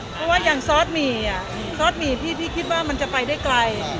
เพราะว่าอย่างซอสหมี่ซอสหมี่พี่คิดว่ามันจะไปได้ไกล